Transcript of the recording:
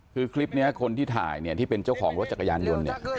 คือคลิปนี้คนที่ถ่ายเนี่ยที่เป็นเจ้าของรถจักรยานยนต์เนี่ย